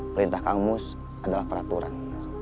perintah kang mus adalah peraturan